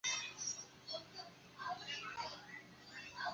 可看到安房国国分寺是比其他国家较为晚期建立。